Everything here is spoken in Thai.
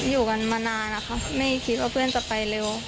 อยู่กันมานานนะคะไม่คิดว่าเพื่อนจะไปเร็ว